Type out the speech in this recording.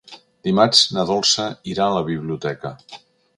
Dimarts na Dolça irà a la biblioteca.